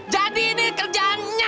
jadi ini kerjaannya